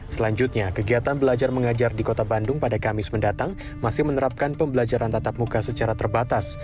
selanjutnya kegiatan belajar mengajar di kota bandung pada kamis mendatang masih menerapkan pembelajaran tatap muka secara terbatas